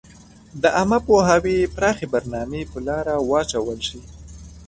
د عامه پوهاوي پراخي برنامي په لاره واچول شي.